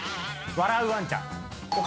笑うワンちゃん。